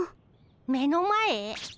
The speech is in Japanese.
目の前？